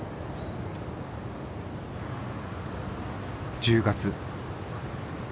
１０月。